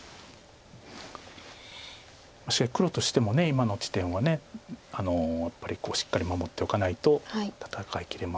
しかし黒としても今の地点はやっぱりしっかり守っておかないと戦いきれませんので。